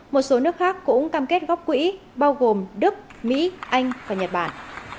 một số nước khác cũng cam kết góp quỹ bao gồm đức mỹ anh và nhật bản